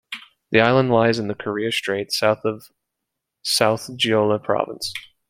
The island lies in the Korea Strait, south of South Jeolla Province.